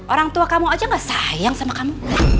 orang tua kamu aja gak sayang sama kamu